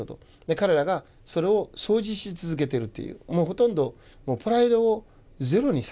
彼らがそれを掃除し続けているっていうもうほとんどプライドをゼロにされてるわけですよ。